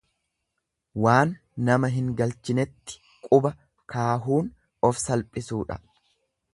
Waan nama hin galchinetti quba kaahuun of salphisuudha.